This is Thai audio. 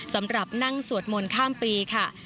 สำหรับนั่งสวดมนต์ข้ามปีค่ะ